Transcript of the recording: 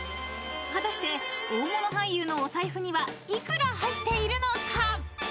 ［果たして大物俳優のお財布には幾ら入っているのか？］